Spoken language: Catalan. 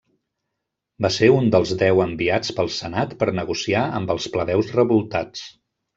Va ser un dels deu enviats pel senat per negociar amb els plebeus revoltats.